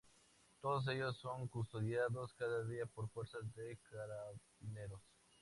Todos ellos son custodiados cada día por fuerzas de carabineros.